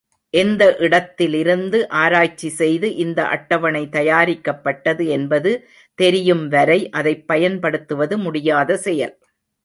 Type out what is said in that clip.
எந்த இடத்திலிருந்து ஆராய்ச்சி செய்து இந்த அட்டவணை தயாரிக்கப்பட்டது என்பது தெரியும் வரை அதைப் பயன்படுத்துவது முடியாத செயல்.